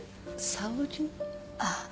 あっ。